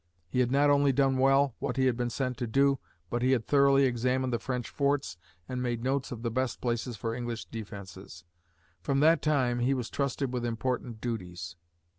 He had not only done well what he had been sent to do, but he had thoroughly examined the French forts and made notes of the best places for English defenses. From that time, he was trusted with important duties.